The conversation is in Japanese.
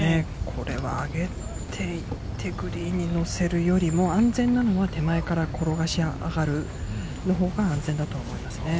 これは上げていってグリーンに乗せるよりも、安全なのは、手前から転がし上がるほうが安全だと思いますね。